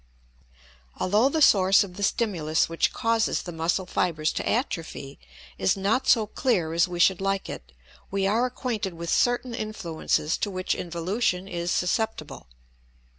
Although the source of the stimulus which causes the muscle fibers to atrophy is not so clear as we should like it, we are acquainted with certain influences to which involution is susceptible.